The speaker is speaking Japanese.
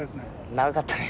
長かったね。